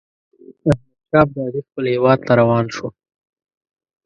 احمدشاه ابدالي خپل هیواد ته روان شو.